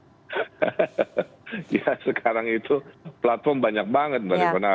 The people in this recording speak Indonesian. ya sekarang itu platform banyak banget mbak rifana